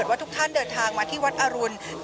พาคุณผู้ชมไปติดตามบรรยากาศกันที่วัดอรุณราชวรรมหาวิหารค่ะ